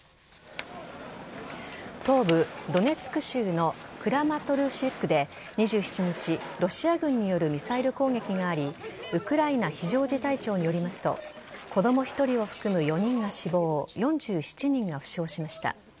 東部・ドネツク州のクラマトルシクで２７日、ロシア軍によるミサイル攻撃がありウクライナ非常事態庁によりますと子供１人を含む４人が死亡４７人が負傷しました。